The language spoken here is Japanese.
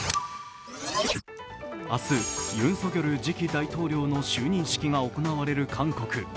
明日、ユン・ソギョル次期大統領の就任式が行われる韓国。